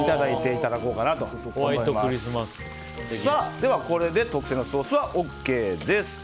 では、これで特製のソースはＯＫです。